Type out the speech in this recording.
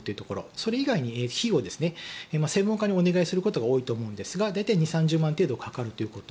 それ以外に費用専門家にお願いすることが多いと思うんですが大体２０３０万円程度かかるということ。